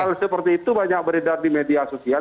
hal seperti itu banyak beredar di media sosial